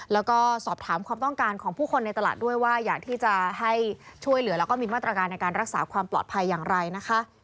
แล้วก็สอบถามความต้องการของผู้คนในตลาดด้วยว่าอยากที่จะให้ช่วยเหลือแล้วก็มีมาตรการในการรักษาความปลอดภัยอย่างไรนะคะ